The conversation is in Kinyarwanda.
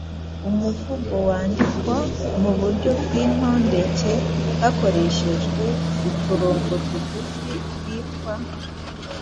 Umuvugo wandikwa mu buryo bw’intondeke hakoreshejwe uturongo tugufi twitwa